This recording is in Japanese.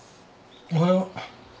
おはよう。